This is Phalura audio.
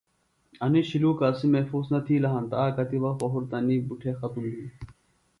اینیۡ شُلوکہ اسِم محفوظ نہ تِھیلہ ہینتہ آکتیۡ وقت پہُرتہ نیۡ بُٹھے ختم بِھین